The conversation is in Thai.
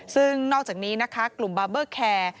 ซึ่งนอกจากนี้นะคะกลุ่มบาร์เบอร์แคร์